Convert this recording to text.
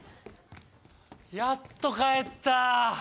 やっと帰った！